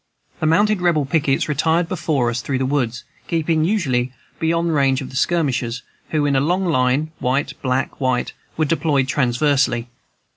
The mounted Rebel pickets retired before us through the woods, keeping usually beyond range of the skirmishers, who in a long line white, black, white were deployed transversely.